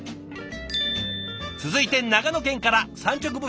続いて長野県から産直部長さん。